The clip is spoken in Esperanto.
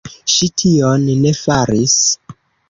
Ŝi tion ne faris.